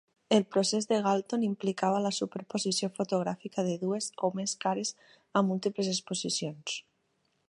El procés de Galton implicava la superposició fotogràfica de dues o més cares a múltiples exposicions.